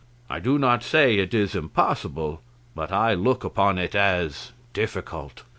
I do not say it is impossible, but I look upon it as difficult."